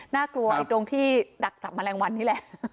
น่ากลัวไอ้ตรงที่ดักจับแมลงวันนี่แหละ